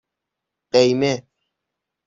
قیمه